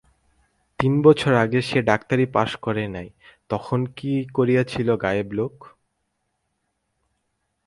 তিন বছর আগে সে ডাক্তারি পাস করে নাই, তখন কী করিয়াছিল গাঁয়ের লোক?